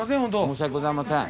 申し訳ございません。